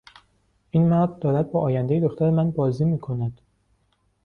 این مرد دارد با آیندهی دختر من بازی میکند.